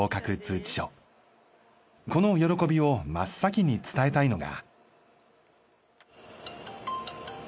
この喜びを真っ先に伝えたいのが。